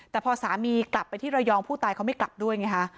แต่พอสามีกลับไปที่ระยองผู้ตายเขาไม่กลับด้วยไงฮะ